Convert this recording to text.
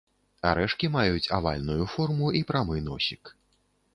Арэшкі маюць авальную форму і прамы носік.